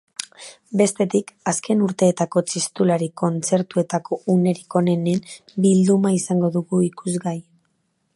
Bestetik, azken urteetako txistulari kontzertuetako unerik onenen bilduma izango dugu ikusgai.